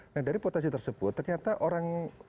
nah dari potensi tersebut ternyata orang